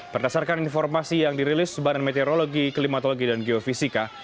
pertasarkan informasi yang dirilis sebarang meteorologi klimatologi dan geofisika